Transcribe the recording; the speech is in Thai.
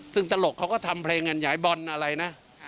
ซึ่งตลกเขาก็ทำเพลงกันยายบอลอะไรนะ